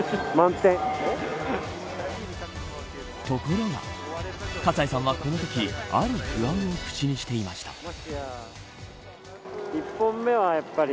ところが葛西さんは、このときある不安を口にしていました。